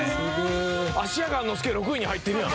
芦屋雁之助６位に入ってるやん。